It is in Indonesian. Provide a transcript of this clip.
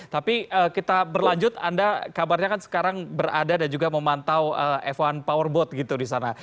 tapi kita berlanjut anda kabarnya kan sekarang berada dan juga memantau f satu powerboat gitu di sana